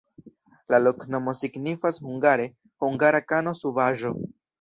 La loknomo signifas hungare: hungara-kano-subaĵo.